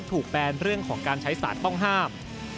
แบนเรื่องของการใช้สารต้องห้าม